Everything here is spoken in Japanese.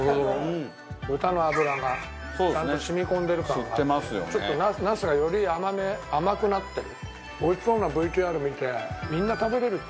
長嶋：豚の脂がちゃんと染み込んでる感があってちょっと、茄子がより甘め甘くなってる。